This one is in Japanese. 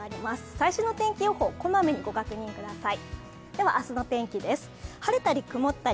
最新の天気予報をこまめにご確認ください。